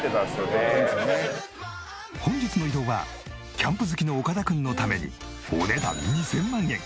本日の移動はキャンプ好きの岡田君のためにお値段２０００万円